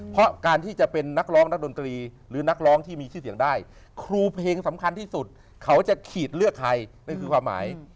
เพราะการที่จะเป็นนักร้องนักดนตรีหรือนักร้องที่มีชื่อเสียงได้ครูเพลงสำคัญที่สุดเขาจะขีดเลือกใครนั่นคือความหมาย